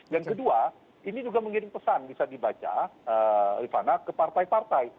yang kedua ini juga mengirim pesan bisa dibaca rifana ke partai partai